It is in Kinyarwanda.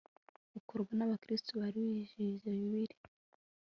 ukorwa n'abakristu bari bizihije yubile